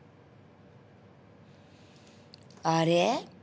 あれ？